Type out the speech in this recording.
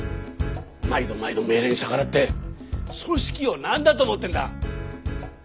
毎度毎度命令に逆らって組織をなんだと思ってるんだ。